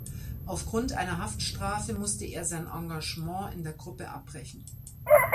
Aufgrund einer Haftstrafe musste er sein Engagement in der Gruppe abbrechen.